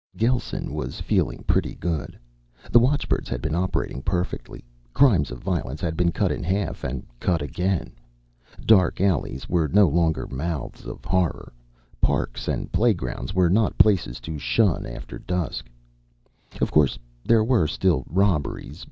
Gelsen was feeling pretty good. The watchbirds had been operating perfectly. Crimes of violence had been cut in half, and cut again. Dark alleys were no longer mouths of horror. Parks and playgrounds were not places to shun after dusk. Of course, there were still robberies.